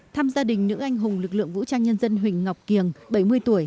thăm gia đình nữ anh hùng lực lượng vũ trang nhân dân huỳnh ngọc kiềng bảy mươi tuổi